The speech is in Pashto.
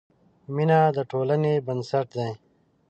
مینه د ټولنې بنسټ دی.